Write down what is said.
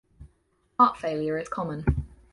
Heart failure is common.